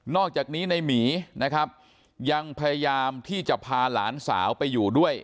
อกจากนี้ในหมีนะครับยังพยายามที่จะพาหลานสาวไปอยู่ด้วย